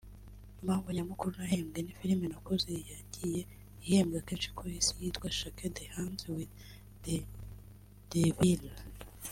Impamvu nyamukuru nahembwe ni filime nakoze yagiye ihembwa kenshi ku Isi yitwa Shake the hands with the devil